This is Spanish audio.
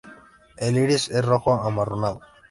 El iris es rojo amarronado.